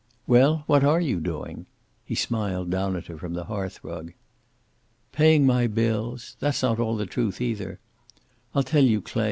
"Well, what are you doing?" He smiled down at her from the hearth rug. "Paying my bills! That's not all the truth, either. I'll tell you, Clay.